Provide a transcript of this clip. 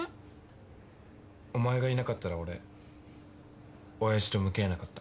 お前がいなかったら俺親父と向き合えなかった。